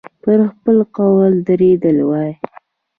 پر خپل قول درېدلی وای.